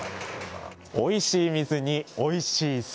おいしい水に、おいしい酒。